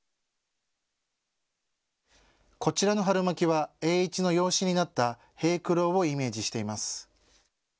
こちらの春巻きは栄一の養子になった平九郎をイメージしています。